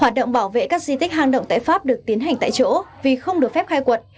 hoạt động bảo vệ các di tích hang động tại pháp được tiến hành tại chỗ vì không được phép khai quật